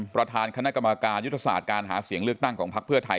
ประธานคณะกรรมการยุทธศาสตร์การหาเสียงเลือกตั้งของพักเพื่อไทย